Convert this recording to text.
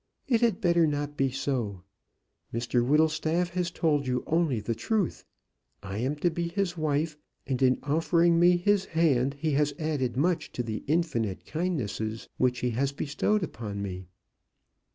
It had better not be so. Mr Whittlestaff has told you only the truth. I am to be his wife; and in offering me his hand, he has added much to the infinite kindnesses which he has bestowed upon me."